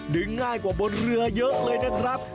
ง่ายกว่าบนเรือเยอะเลยนะครับ